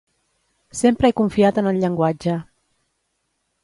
Sempre he confiat en el llenguatge.